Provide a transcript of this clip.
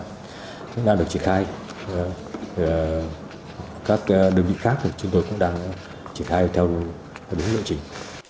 bộ thuế phương nam được triển khai các đơn vị khác của chúng tôi cũng đang triển khai theo đúng lựa chình